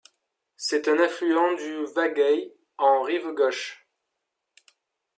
C'est un affluent du Vagaï en rive gauche.